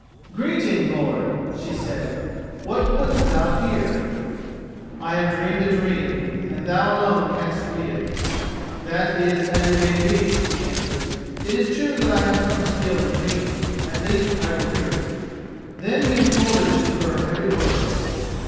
"Greeting, lord!" she said. "What wouldest thou here?" "I have dreamed a dream, and thou alone canst read it." "That is as it may be," she answered. "It is true that I have some skill in dreams. At the least I will hear it." Then he unfolded it to her every word.